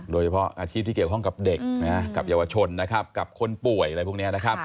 โดยเฉพาะอาชีพที่เกี่ยวข้องกับเด็กกับเยาวชนนะครับกับคนป่วยอะไรพวกนี้นะครับ